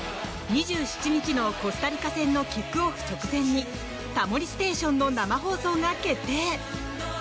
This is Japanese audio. ２７日のコスタリカ戦のキックオフ直前に「タモリステーション」の生放送が決定！